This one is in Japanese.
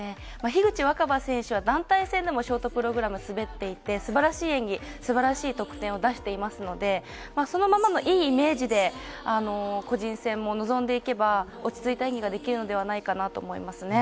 樋口新葉選手は団体戦でもショートプログラムを滑っていてすばらしい演技、すばらしい得点を出していますので、そのままのいいイメージで個人戦も臨んでいけば落ち着いた演技ができるのではないかなと思います。